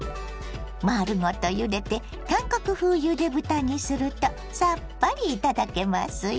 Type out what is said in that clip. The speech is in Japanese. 丸ごとゆでて韓国風ゆで豚にするとさっぱり頂けますよ。